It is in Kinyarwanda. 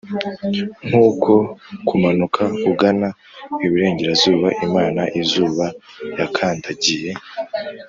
nkuko kumanuka ugana iburengerazuba imana-izuba yakandagiye,